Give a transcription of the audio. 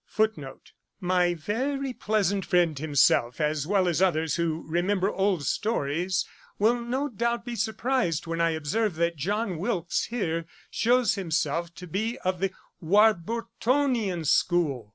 My very pleasant friend himself, as well as others who remember old stories, will no doubt be surprised, when I observe that John Wilkes here shews himself to be of the WARBURTONIAN SCHOOL.